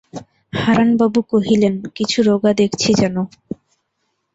হারানবাবু কহিলেন, কিছু রোগা দেখছি যেন।